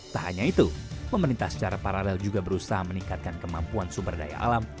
tak hanya itu pemerintah secara paralel juga berusaha meningkatkan kemampuan sumber daya alam